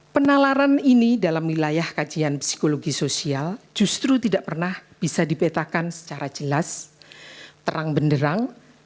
penalaran ini dalam wilayah kajian psikologi sosial justru tidak pernah bisa dipetakan secara jelas terang benderang